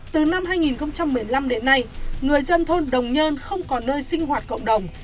từ năm hai nghìn một mươi năm đến nay người dân thôn đồng nhơn không còn nơi sinh hoạt cộng đồng